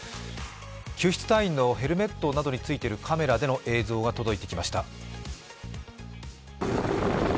救出隊員のヘルメットについているカメラの映像が届きました。